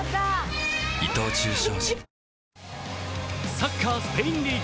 サッカー、スペインリーグ。